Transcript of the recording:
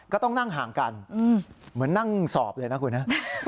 ก็ต้องนั่งห่างกันเหมือนนั่งสอบเลยนะคุณฮะ